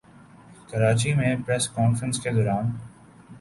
کراچی میں press conference کے دوران